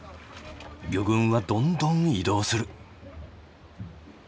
魚群はどんどん移動する。